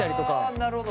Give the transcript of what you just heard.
あなるほど。